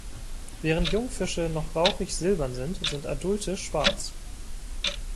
Während Jungfische noch rauchig silbern sind, sind adulte schwarz.